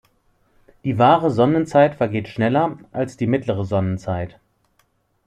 Die wahre Sonnenzeit vergeht schneller als die mittlere Sonnenzeit.